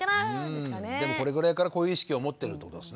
でもこれぐらいからこういう意識を持ってるってことですね。